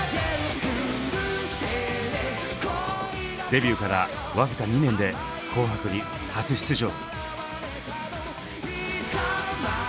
デビューから僅か２年で「紅白」に初出場。